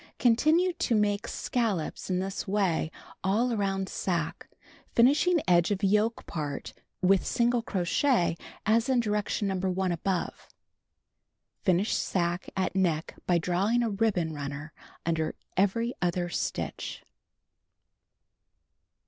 Continue to make scallops in this way all around sac(iu(\ finishing edge of yoke part with single crochets as in direction No. 1 above. Finish sacque at neck by drawing a ribbon runner mider everv other stitch.